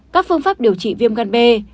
các phương pháp điều trị viêm gan b